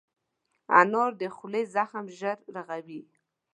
انار د خولې زخم ژر رغوي.